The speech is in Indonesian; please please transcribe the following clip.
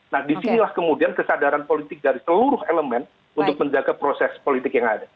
nah disinilah kemudian kesadaran politik dari seluruh elemen untuk menjaga proses politik yang ada